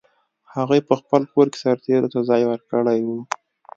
هغوی په خپل کور کې سرتېرو ته ځای ورکړی و.